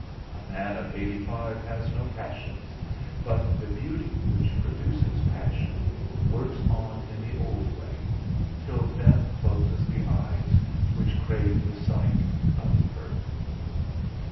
A man of eighty five has no passions, but the Beauty which produces passion works on in the old way, till death closes the eyes which crave the sight of Her.